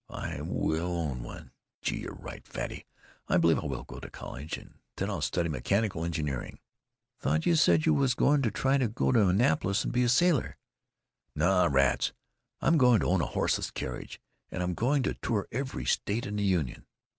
I will own one!... Gee! you're right, Fatty; I believe I will go to college. And then I'll study mechanical engineering." "Thought you said you were going to try and go to Annapolis and be a sailor." "No. Rats! I'm going to own a horseless carriage, and I'm going to tour every state in the Union....